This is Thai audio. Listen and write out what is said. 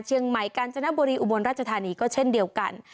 เชียงใหม่กาญจนบุรีอุบลราชธานีก็เช่นเดียวกัน